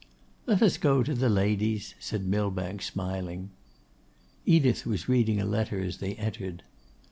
'Let us go to the ladies,' said Millbank, smiling. Edith was reading a letter as they entered.